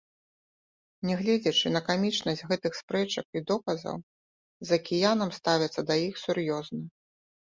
Нягледзячы на камічнасць гэтых спрэчак і доказаў, за акіянам ставяцца да іх сур'ёзна.